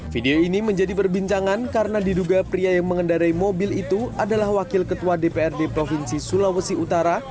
video ini menjadi perbincangan karena diduga pria yang mengendarai mobil itu adalah wakil ketua dprd provinsi sulawesi utara